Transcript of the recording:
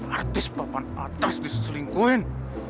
artis papan atas diselingkuhin